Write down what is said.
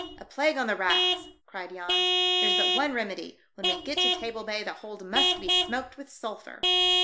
" A plague on the rats !" cried Jans. " There's but one remedy : when we get to Table Bay the hold must be smoked with sulphur."